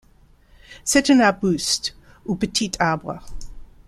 C'est un arbuste ou petit arbre.